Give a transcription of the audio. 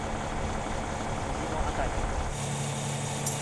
肘のあたりを持つ。